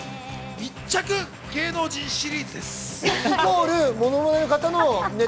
密着芸能人シリーズです。